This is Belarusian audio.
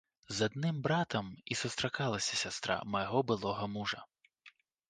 З адным братам і сустракалася сястра майго былога мужа.